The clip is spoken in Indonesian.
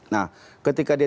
nah ketika dia